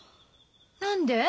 何で？